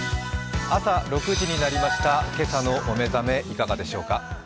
朝６時になりました、今朝のお目覚めいかがでしょうか？